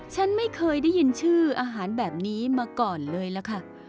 ฉันไม่เคยได้ยินชื่ออาหารแบบนี้มาก่อนเลยล่ะค่ะ